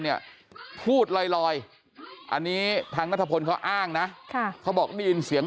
เนี่ยพูดลอยอันนี้ทางนัทพลเขาอ้างนะเขาบอกได้ยินเสียง